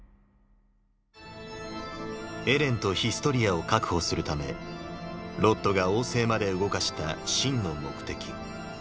エレンとヒストリアを確保するためロッドが王政まで動かした真の目的。